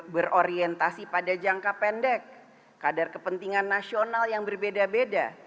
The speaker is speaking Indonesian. berorientasi pada jangka pendek kadar kepentingan nasional yang berbeda beda